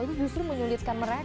itu justru menyulitkan mereka